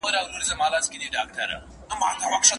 پر يوه ټاکلې موضوع دي مدلل بحثونه وکړي.